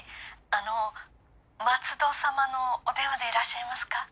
あの松戸様のお電話でいらっしゃいますか？